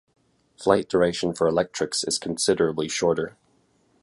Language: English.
Flight duration for electrics is considerably shorter.